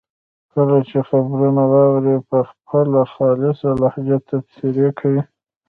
کله چې خبرونه واوري په خپله خالصه لهجه تبصرې کوي.